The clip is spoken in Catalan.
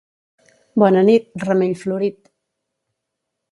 Bona nit, ramell florit.